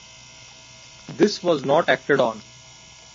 This was not acted on.